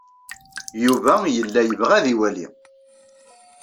Yuba yella yebɣa ad iwali.